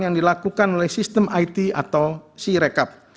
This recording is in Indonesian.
yang dilakukan oleh sistem it atau sirekap